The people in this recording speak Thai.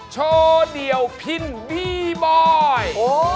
โชว์เดี่ยวพินบีบอย